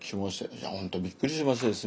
いや本当びっくりしましてですね。